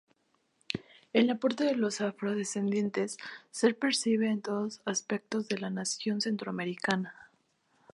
El aporte de los afro-descendientes ser percibe en todos aspectos de la nación centroamericana.